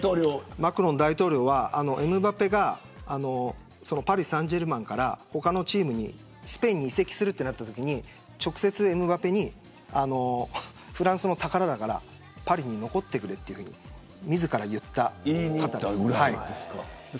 マクロン大統領はエムバペがパリ・サンジェルマンから他のチームにスペインに移籍するとなったときに直接、エムバペにフランスの宝だからパリに残ってくれと自ら言ったというエピソードがあります。